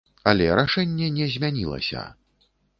Але рашэнне не змянілася!